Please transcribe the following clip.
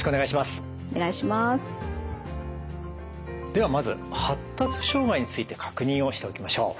ではまず発達障害について確認をしておきましょう。